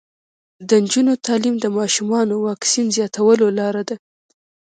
د نجونو تعلیم د ماشومانو واکسین زیاتولو لاره ده.